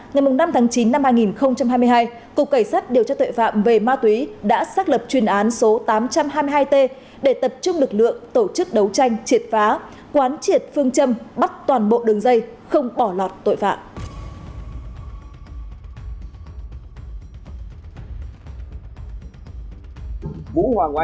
ngày năm tháng chín năm hai nghìn hai mươi hai cục cảnh sát điều tra tội phạm về ma túy đã xác lập chuyên án số tám trăm hai mươi hai t để tập trung lực lượng tổ chức đấu tranh triệt phá quán triệt phương châm bắt toàn bộ đường dây không bỏ lọt tội phạm